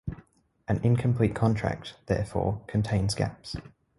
An incomplete contract, therefore, contains gaps.